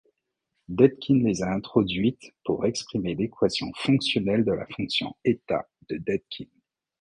Dedekind les a introduites pour exprimer l'équation fonctionnelle de la fonction êta de Dedekind.